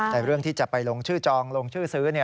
แต่เรื่องที่จะไปลงชื่อจองลงชื่อซื้อ